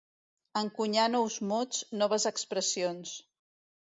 Encunyar nous mots, noves expressions.